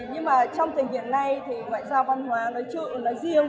nhưng mà trong tình hiện nay thì ngoại giao văn hóa nói chung nói riêng